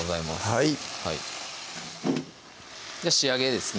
はい仕上げですね